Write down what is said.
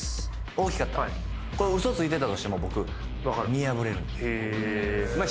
これウソついてたとしても僕見破れるんでへえーまあ